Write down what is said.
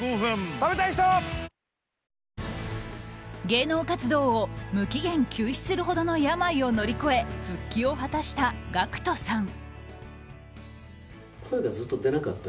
芸能活動を無期限休止するほどの病を乗り越え復帰を果たしたＧＡＣＫＴさん。